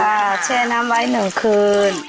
แช่น้ำไว้๑คืน